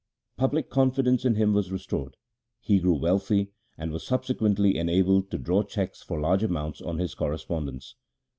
Public confidence in him was restored, he grew wealthy, and was subsequently enabled to draw cheques for large amounts on his correspondents.